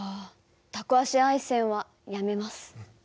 タコ足配線はやめます。